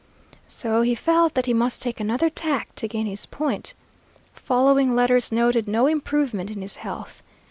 So he felt that he must make another tack to gain his point. Following letters noted no improvement in his health.